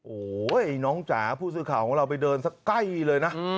โอ้โหน้องจ๋าผู้สื่อข่าวของเราไปเดินสักใกล้เลยนะ